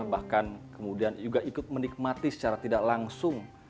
bahkan kemudian juga ikut menikmati secara tidak langsung